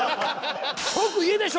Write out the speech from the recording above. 「即家でしょ！」